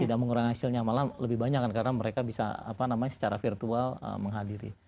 tidak mengurangi hasilnya malah lebih banyak kan karena mereka bisa secara virtual menghadiri